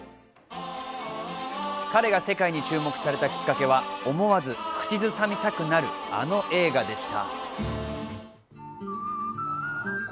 彼が世界に注目されたきっかけは思わず口ずさみたくなる、あのう映画でした。